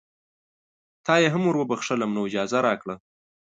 تا یې هم وروبخښلم نو اجازه راکړه.